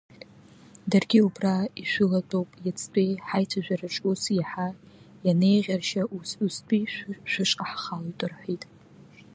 Даргьы убра ишәылатәоуп, иацтәи ҳаицәажәараҿ ус иаҳа ианеиӷьаршьа, устәи шәышҟа ҳхалоит рҳәеит.